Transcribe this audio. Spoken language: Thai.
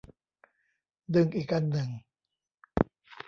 ดึงอีกอันหนึ่ง